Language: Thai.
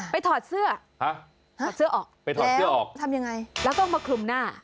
ไปถอดเสื้อถอดเสื้อออกแล้วทำยังไงแล้วก็มาคลุมหน้า